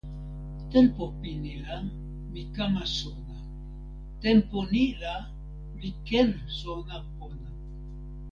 tenpo pini la, mi kama sona. tenpo ni la, mi ken sona pona.